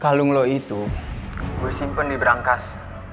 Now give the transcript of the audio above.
kalung lo itu gue simpen di berangkas